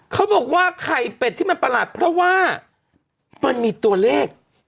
เขาบอกว่าไข่เป็ดที่มันประหลาดเพราะว่ามันมีตัวเลข